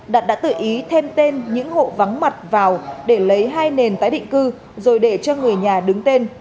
đạt đã tự ý thêm tên những hộ vắng mặt vào để lấy hai nền tái định cư rồi để cho người nhà đứng tên